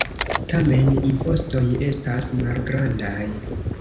Tamen, impostoj estas malgrandaj.